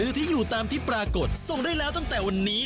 เวลาก้านอนิกา๓๐นาที